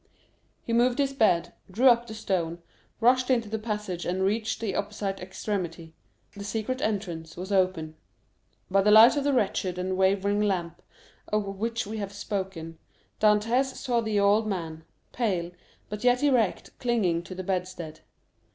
He moved his bed, drew up the stone, rushed into the passage, and reached the opposite extremity; the secret entrance was open. By the light of the wretched and wavering lamp, of which we have spoken, Dantès saw the old man, pale, but yet erect, clinging to the bedstead.